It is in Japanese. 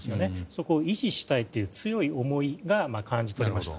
そこを維持したいという強い思いが感じ取れました。